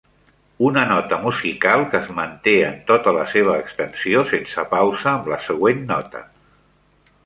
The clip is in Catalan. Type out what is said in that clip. Una nota musical que es manté en tota la seva extensió, sense pausa amb la següent nota.